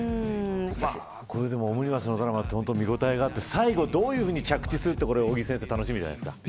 オムニバスのドラマは見応えがあって最後どういうふうに着地するか楽しみじゃないですか。